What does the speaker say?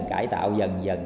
cải tạo dần dần